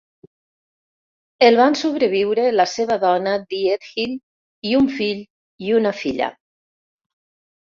El van sobreviure la seva dona, Diethild, i un fill i una filla.